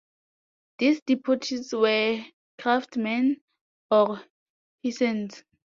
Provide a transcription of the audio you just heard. These deportees were craftsmen or peasants.